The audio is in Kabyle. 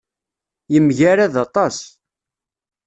Yemgarad aṭas.